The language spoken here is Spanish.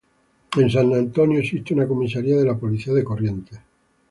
En San Antonio existe una comisaría de la Policía de Corrientes.